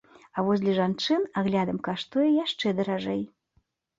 А вось для жанчын аглядам каштуе яшчэ даражэй.